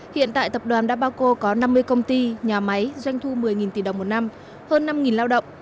hiện tại tập đoàn dabaco có năm mươi công ty nhà máy doanh thu một mươi tỷ đồng một năm hơn năm lao động